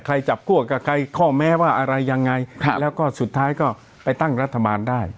จับคั่วกับใครข้อแม้ว่าอะไรยังไงแล้วก็สุดท้ายก็ไปตั้งรัฐบาลได้